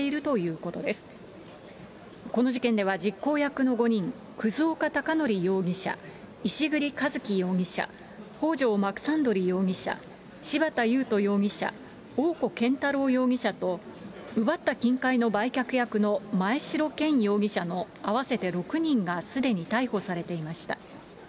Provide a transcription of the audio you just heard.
この事件では実行役の５人、葛岡隆憲容疑者、石栗一樹容疑者、北条マクサンドリ容疑者、芝田優人容疑者、大古健太郎容疑者と、奪った金塊の売却役の真栄城健容疑者の合わせて６人がすでに逮捕されていました。